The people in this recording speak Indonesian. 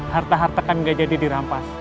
harta harta kan gak jadi dirampas